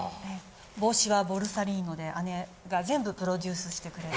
帽子はボルサリーノで姉が全部プロデュースしてくれて。